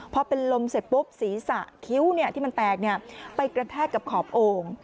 พอเป็นลมเสร็จปุ๊บศีรษะคิ้วที่มันแตกไปกระแทกกับขอบโอ่ง